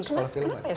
nah ini kenapa ya